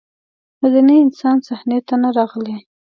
مدني انسان صحنې ته نه راغلی.